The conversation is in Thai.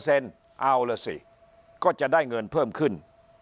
เอาล่ะสิก็จะได้เงินเพิ่มขึ้น